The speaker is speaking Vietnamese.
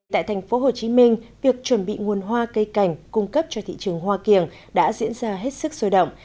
tại thành phố hồ chí minh việc chuẩn bị nguồn hoa cây cảnh cung cấp cho thị trường hoa kiểng đã diễn ra hết sức sôi động